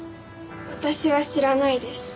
私は知らないです。